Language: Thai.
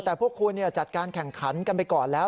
แต่พวกคุณจัดการแข่งขันกันไปก่อนแล้ว